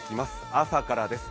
朝からです。